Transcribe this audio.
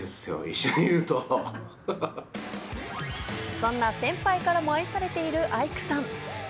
そんな先輩からも愛されているアイクさん。